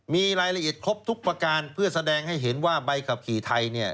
มีรายละเอียดครบทุกประการเพื่อแสดงให้เห็นว่าใบขับขี่ไทยเนี่ย